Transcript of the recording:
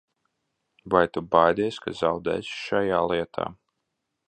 Vai tu baidies, ka zaudēsi šajā lietā?